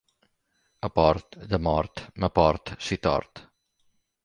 A port / de mort / me port / si tort...